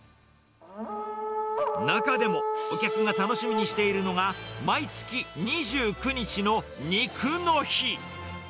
中でも、お客が楽しみにしているのが、毎月２９日の肉の日。